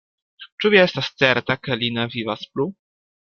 Ĉu vi estas certa, ke li ne vivas plu?